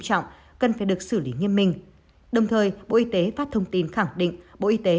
trọng cần phải được xử lý nghiêm minh đồng thời bộ y tế phát thông tin khẳng định bộ y tế